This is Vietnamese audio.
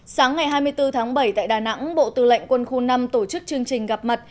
sáng ngày hai mươi bốn tháng bảy tại đà nẵng bộ tư lệnh quân khu năm tổ chức chương trình gặp mặt